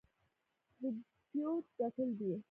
ربوبیت ګټل دی.